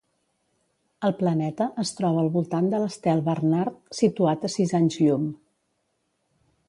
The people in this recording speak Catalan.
El planeta es troba al voltant de l'estel Barnard, situat a sis anys llum.